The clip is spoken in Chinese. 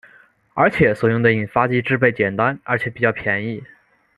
而且所用的引发剂制备简单而且比较便宜。